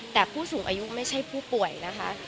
แต่ผู้สูงอายุไม่ใช่ผู้ป่วยนะคะ